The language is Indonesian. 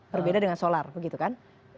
berbeda dengan solar begitu kan